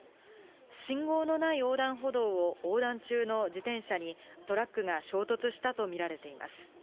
信号のない横断歩道を横断中の自転車に、トラックが衝突したと見られています。